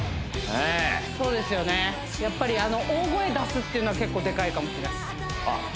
なるほどやっぱり大声出すっていうのは結構でかいかもしれないですあっ